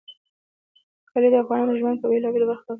کلي د افغانانو ژوند په بېلابېلو برخو اغېزمنوي.